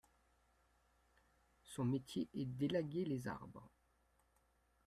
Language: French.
Son métier est d’élaguer les arbres.